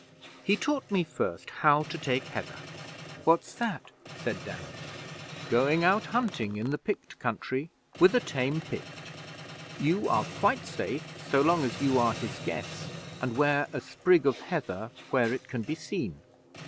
He taught me first how to take Heather.' 'What's that?' said Dan. 'Going out hunting in the Pict country with a tame Pict. You are quite safe so long as you are his guest, and wear a sprig of heather where it can be seen.